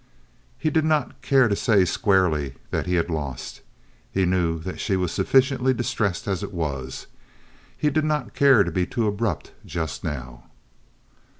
He did not care to say squarely that he had lost. He knew that she was sufficiently distressed as it was, and he did not care to be too abrupt just now.